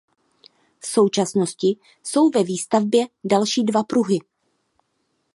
V současnosti jsou ve výstavbě další dva pruhy.